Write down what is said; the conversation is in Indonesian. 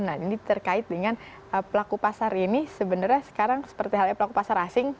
nah ini terkait dengan pelaku pasar ini sebenarnya sekarang seperti halnya pelaku pasar asing